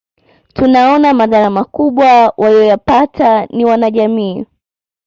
Tunaona madhara makubwa waliyoyapata ni wanajamii